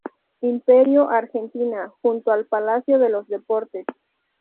Imperio Argentina, junto al Palacio de los Deportes.